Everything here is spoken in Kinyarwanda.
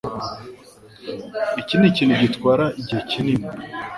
Iki nikintu gitwara igihe kinini.